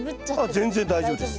全然大丈夫です。